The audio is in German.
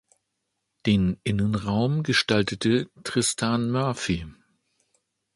Den Innenraum gestaltete Tristan Murphy.